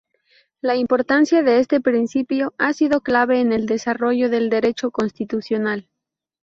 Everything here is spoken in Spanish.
La importancia de este principio ha sido clave en el desarrollo del Derecho constitucional.